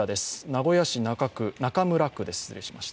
名古屋市中村区です。